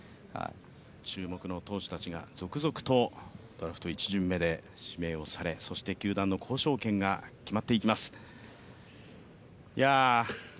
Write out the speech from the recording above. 注目の投手たちが続々とドラフト１巡目で選ばれそして球団の交渉権が決まっていきます。